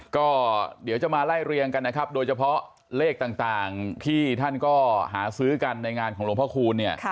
ก็เดี๋ยวจะมาไล่เรียงกันนะครับโดยเฉพาะเลขต่างที่ท่านก็หาซื้อกันในงานของหลวงพ่อคูณเนี่ย